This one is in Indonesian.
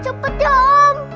cepat ya om